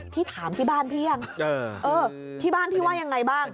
พี่ถามที่บ้านพี่ยังเออที่บ้านพี่ไหว้อย่างไรบ้าง